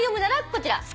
こちら。